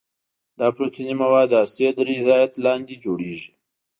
دا پروتیني مواد د هستې تر هدایت لاندې جوړیږي.